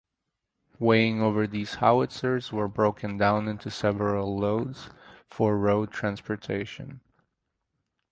Weighing over these howitzers were broken down into several loads for road transportation.